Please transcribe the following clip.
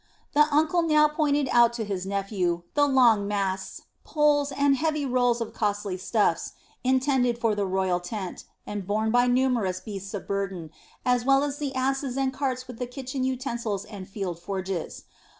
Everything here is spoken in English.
The uncle now pointed out to his nephew the long masts, poles, and heavy rolls of costly stuffs intended for the royal tent, and borne by numerous beasts of burden, as well as the asses and carts with the kitchen utensils and field forges.